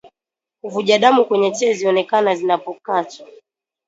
Kuvuja damu kwenye tezi huonekana zinapokatwa